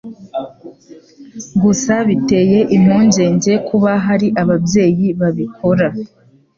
gusa biteye impungenge kuba hari ababyeyi babikora